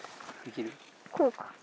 こうか。